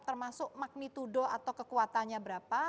termasuk magnitudo atau kekuatannya berapa